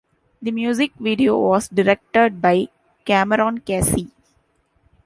The music video was directed by Cameron Casey.